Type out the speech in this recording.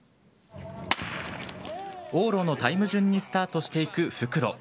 往路のタイム順にスタートしていく復路。